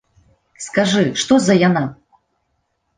Скажы, што за яна!